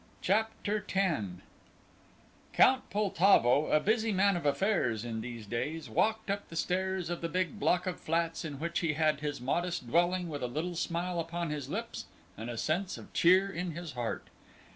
CHAPTER X Count Poltavo, a busy man of affairs in these days, walked up the stairs of the big block of flats in which he had his modest dwelling with a little smile upon his lips and a sense of cheer in his heart.